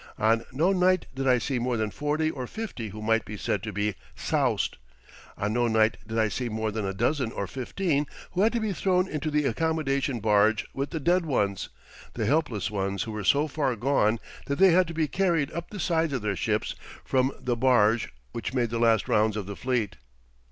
On no night did I see more than forty or fifty who might be said to be "soused"; on no night did I see more than a dozen or fifteen who had to be thrown into the accommodation barge with the "dead ones," the helpless ones who were so far gone that they had to be carried up the sides of their ships from the barge which made the last rounds of the fleet.